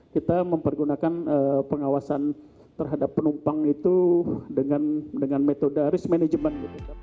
kita mempergunakan pengawasan terhadap penumpang itu dengan metode risk management